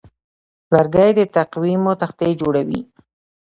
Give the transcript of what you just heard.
لرګی د تقویمو تختې جوړوي.